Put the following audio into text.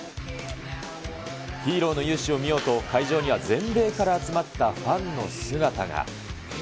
ヒーローの勇姿を見ようと、会場には全米から集まったファンの姿が。